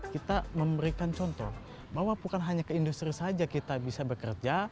kita memberikan contoh bahwa bukan hanya ke industri saja kita bisa bekerja